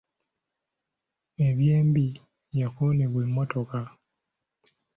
Eby'embi yakooneddwa emmotoka.